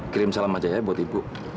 kirim salam aja ya buat ibu